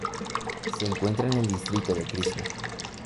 Se encuentra en el distrito de Krishna.